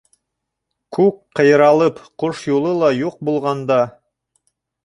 Күк ҡыйралып Ҡош юлы ла юҡ булғанда